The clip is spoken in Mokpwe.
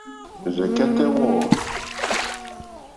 Rzɛ̀kɛ́tɛ́ wɔ̂.